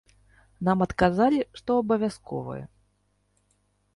Нам адказалі, што абавязковае.